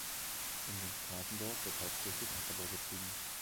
In dem Straßendorf wird hauptsächlich Ackerbau betrieben.